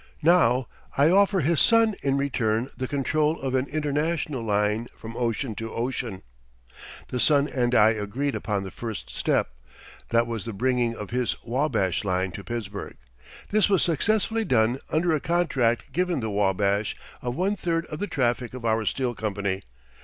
Now I offer his son in return the control of an international line from ocean to ocean." The son and I agreed upon the first step that was the bringing of his Wabash line to Pittsburgh. This was successfully done under a contract given the Wabash of one third of the traffic of our steel company.